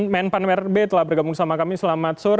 menpan rb telah bergabung sama kami selamat sore